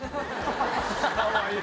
かわいい！